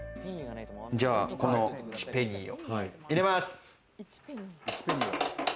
じゃあ、この１ペニーを入れます。